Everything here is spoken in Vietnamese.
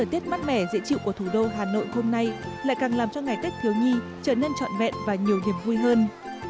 tết mát mẻ dễ chịu của thủ đô hà nội hôm nay lại càng làm cho ngày tết thiếu nhi trở nên trọn vẹn và nhiều niềm vui hơn